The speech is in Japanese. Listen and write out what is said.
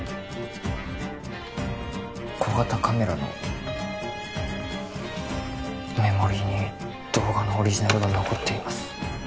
小型カメラのメモリーに動画のオリジナルが残っています